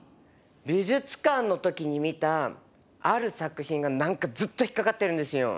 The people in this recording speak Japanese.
「美術館」の時に見たある作品が何かずっと引っ掛かってるんですよ。